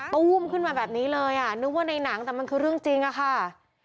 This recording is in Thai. ตู้มขึ้นมาแบบนี้เลยอ่ะนึกว่าในหนังแต่มันคือเรื่องจริงอะค่ะ